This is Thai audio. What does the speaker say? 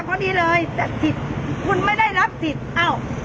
เขาดีเลยแต่สิทธิ์คุณไม่ได้รับสิทธิ์เอ้า